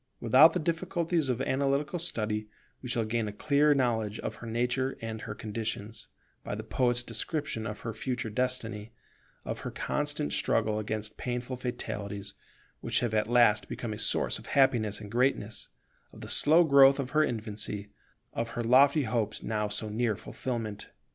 Without the difficulties of analytical study, we shall gain a clear knowledge of her nature and her conditions, by the poet's description of her future destiny, of her constant struggle against painful fatalities, which have at last become a source of happiness and greatness, of the slow growth of her infancy, of her lofty hopes now so near fulfilment.